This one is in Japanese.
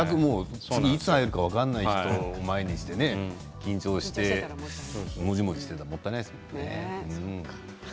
いつ会えるか分からない人を前に緊張してねもじもじしていたらもったいないですよね。